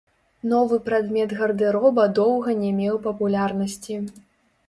Новы прадмет гардэроба доўга не меў папулярнасці.